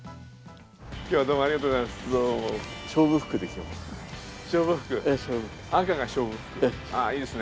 きょうはどうもありがとうございます。